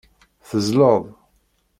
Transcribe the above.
Teẓẓleḍ.